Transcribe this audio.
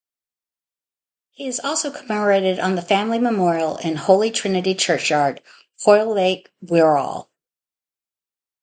He is also commemorated on the family memorial in Holy Trinity Churchyard, Hoylake, Wirral.